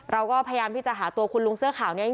เราก็พยายามที่จะหาตัวคุณลุงเสื้อขาวนี้